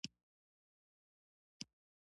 تاسو د موټر سفر خوښوئ؟